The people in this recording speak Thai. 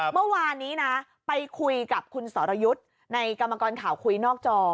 เมื่อวานนี้นะไปคุยกับคุณสรยุทธ์ในกรรมกรข่าวคุยนอกจอ